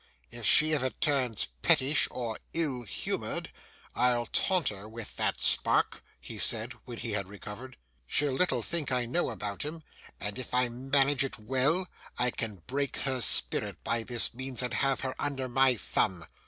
'If she ever turns pettish or ill humoured, I'll taunt her with that spark,' he said, when he had recovered. 'She'll little think I know about him; and, if I manage it well, I can break her spirit by this means and have her under my thumb.